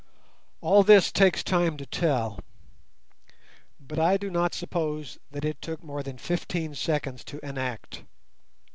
All this takes time to tell, but I do not suppose that it took more than fifteen seconds to enact.